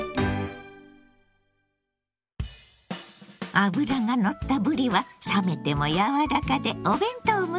脂がのったぶりは冷めても柔らかでお弁当向き。